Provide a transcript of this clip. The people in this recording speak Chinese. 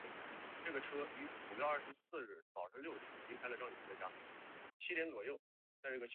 沙沃尔奈的总面积为平方公里。